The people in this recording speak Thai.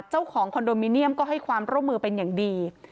คอนโดมิเนียมก็ให้ความร่วมมือเป็นอย่างดี